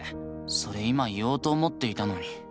それ今言おうと思っていたのに。